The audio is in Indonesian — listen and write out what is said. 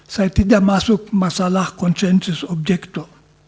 saya tidak masuk masalah konsensus objekto